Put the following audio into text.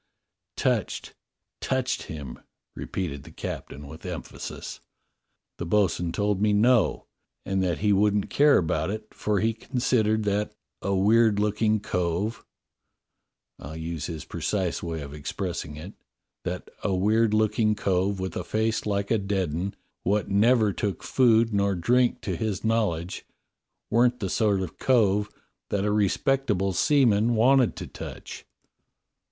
" Touched, touched him," repeated the captain with emphasis. "The bo'sun told me 'No' and that he wouldn't care about it, for he considered that 'a weird looking cove' — I'll use his precise way of expressing it — that 'a weird looking cove with a face like a dead 'un, what never took food nor drink to his knowledge, weren't the sort of cove that a respectable seaman wanted to touch.'"